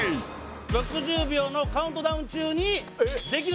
６０秒のカウントダウン中にできる？